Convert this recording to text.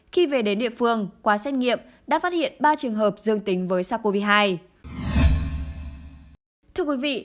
khi về đến địa phương qua xét nghiệm đã phát hiện ba trường hợp dương tính với sars cov hai